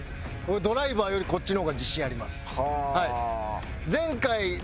ドライバーよりこっちの方が自信あります。